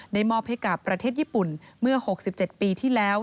มอบให้กับประเทศญี่ปุ่นเมื่อ๖๗ปีที่แล้ว